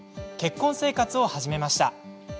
結婚生活を始めました。